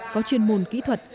có chuyên môn kỹ thuật